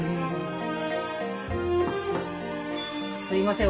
すみません。